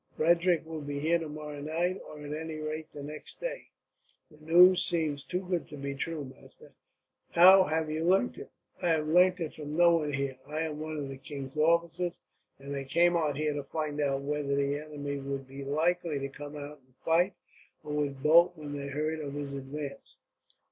Frederick will be here tomorrow night, or at any rate next day." "The news seems too good to be true, master. How have you learnt it?" "I have learnt it from no one here. I am one of the king's officers, and I came on here to find out whether the enemy would be likely to come out and fight, or would bolt when they heard of his advance."